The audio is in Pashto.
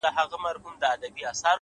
پرمختګ د آرامې سیمې پرېښودل غواړي,